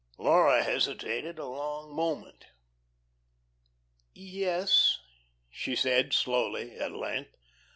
Laura hesitated a long moment. "Yes," she said, slowly at length.